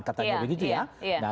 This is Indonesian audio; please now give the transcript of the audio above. kita akan lihat responnya berikutnya